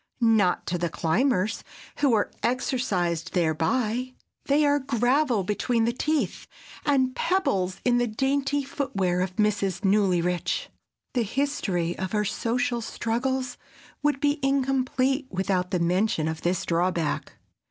Not to the climbers who are exercised thereby. They are gravel between the teeth, and pebbles in the dainty foot wear of Mrs. Newlyrich. The history of her social struggles would be incomplete without the mention of this drawback.